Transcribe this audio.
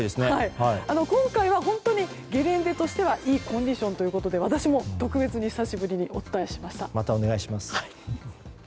今回はゲレンデとしてはいいコンディションということで私も特別に久しぶりにお伝えしました。